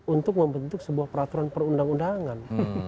untuk membentuk sebuah peraturan perundang undangan